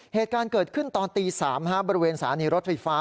เหตุการณ์เกิดขึ้นตอนตี๓บริเวณสถานีรถไฟฟ้า